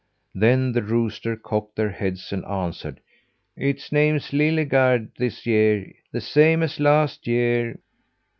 Then the roosters cocked their heads and answered: "Its name's Lillgarde this year the same as last year."